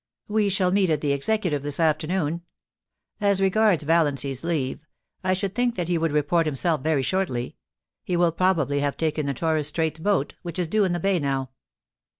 'We shall meet at the Executive this afternoon. As regards Valiancy s leave, I should think that he would report himself very shortly ; he will probably have taken the Torres Straits boat, which is due in the bay now.'